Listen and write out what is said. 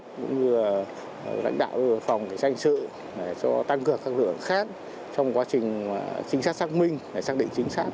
cũng như là lãnh đạo phòng danh sự cho tăng cường các lượng khác trong quá trình trinh sát xác minh để xác định trinh sát